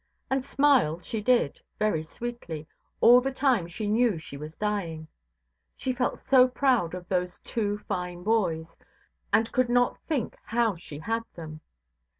And smile she did, very sweetly, all the time she knew she was dying; she felt so proud of those two fine boys, and could not think how she had them.